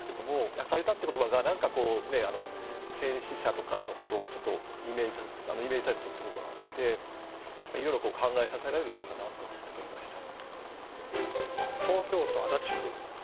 「焼かれた」っていう言葉が何か戦死者とかのことをちょっとイメージさせてるところがあっていろいろ考えさせられる歌かなと思ってとりました。